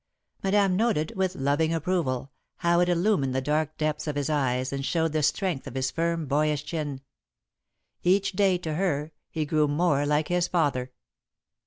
Madame noted, with loving approval, how it illumined the dark depths of his eyes and showed the strength of his firm, boyish chin. Each day, to her, he grew more like his father.